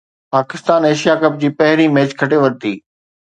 Pakistan Asia cup جي پهرين match کٽي ورتي